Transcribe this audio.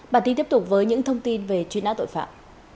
bản tin tiếp tục với những thông tin về truy nã tội phạm